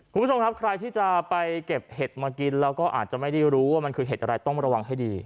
คุณผู้ชมครับใครที่จะไปเก็บเห็ดมากินแล้วก็อาจจะไม่ได้รู้ว่ามันคือเห็ดอะไรต้องระวังให้ดี